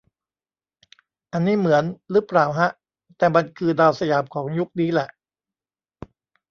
อันนี้เหมือน รึเปล่าฮะ แต่มันคือดาวสยามของยุคนี้แหละ